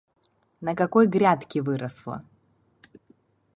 на какой грядке выросла.